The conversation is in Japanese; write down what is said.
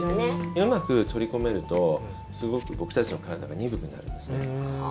うまく取り込めると僕たちの体が鈍くなるんですね。